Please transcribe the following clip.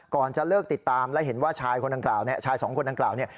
จะเลิกติดตามและเห็นว่าชายคนดังกล่าวเนี่ยชายสองคนดังกล่าวเนี่ย